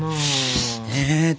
えっと。